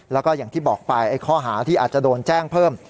แล้วก็อย่างที่บอกไปข้อหาที่อาจจะโดนแจ้งเพิ่ม